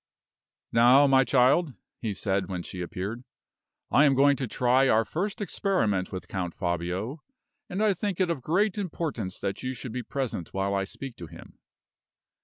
"Now, my child," he said, when she appeared, "I am going to try our first experiment with Count Fabio; and I think it of great importance that you should be present while I speak to him."